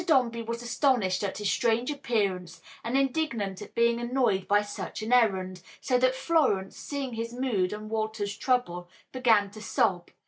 Dombey was astonished at his strange appearance and indignant at being annoyed by such an errand, so that Florence, seeing his mood and Walter's trouble, began to sob.